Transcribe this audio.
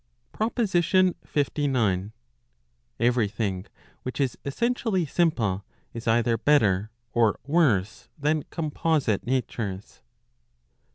PROPOSITION LIX. Every thing which is essentially simple, is either better or worse than composite natures.